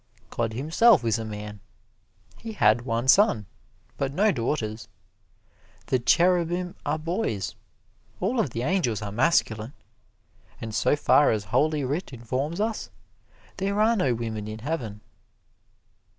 God Himself is a man. He had one son, but no daughters. The cherubim are boys. All of the angels are masculine, and so far as Holy Writ informs us, there are no women in heaven."